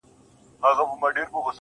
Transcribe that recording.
o اوس د شپې سوي خوبونه زما بدن خوري.